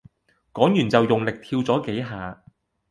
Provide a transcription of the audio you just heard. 講完就用力跳咗幾下